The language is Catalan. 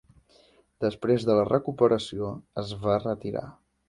Després de la recuperació es va retirar.